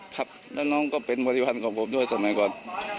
ครับแล้วน้องก็เป็นบริพันธ์ของผมด้วยสมัยก่อน